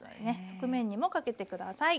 側面にもかけて下さい。